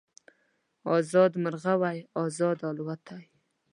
ازاد مرغه وای ازاد الوتای